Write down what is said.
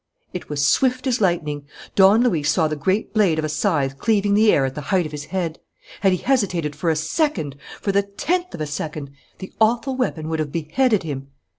It was swift as lightning. Don Luis saw the great blade of a scythe cleaving the air at the height of his head. Had he hesitated for a second, for the tenth of a second, the awful weapon would have beheaded him.